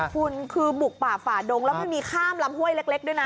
คุณคือบุกป่าฝ่าดงแล้วมันมีข้ามลำห้วยเล็กด้วยนะ